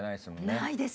ないです